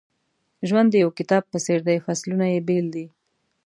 ژوند د یو کتاب په څېر دی فصلونه یې بېل دي.